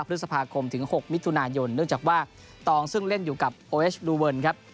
พฤษภาคมถึง๖มิถุนายนเนื่องจากว่าตองซึ่งเล่นอยู่กับโอเอสลูเวิร์นครับ